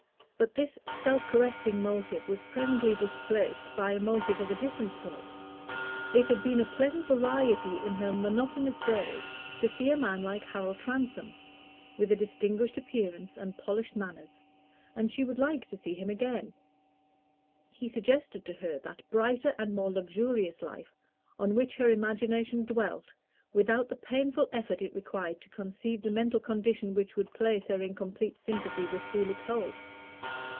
But this self correcting motive was presently displaced by a motive of a different sort. It had been a pleasant variety in her monotonous days to see a man like Harold Transome, with a distinguished appearance and polished manners, and she would like to see him again: he suggested to her that brighter and more luxurious life on which her imagination dwelt without the painful effort it required to conceive the mental condition which would place her in complete sympathy with Felix Holt.